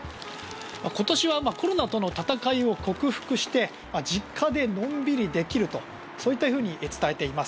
今年はコロナとの闘いを克服して実家でのんびりできるとそういったふうに伝えています。